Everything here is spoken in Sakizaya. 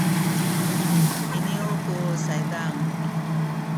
iniyu ku saydan